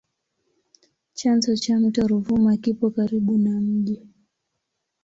Chanzo cha mto Ruvuma kipo karibu na mji.